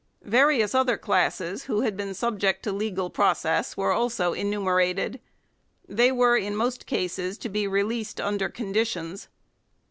Various other classes who had been subject to legal process were also enumerated ; they were in most cases to be released under conditions.